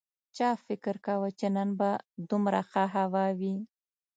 چا فکر کاوه چې نن به دومره ښه هوا وي